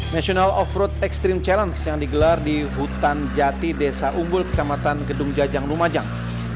national off road extreme challenge yang digelar di hutan jati desa umbul kecamatan gedung jajang lumajang